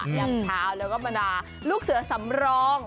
อย่างเช้าแล้วก็มันลูกเสือสำรอง